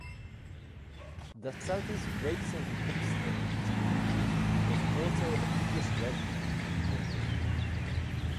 "The Sun"'s racing tipster 'Templegate' was also a previous resident of the village.